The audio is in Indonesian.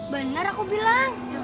bener aku bilang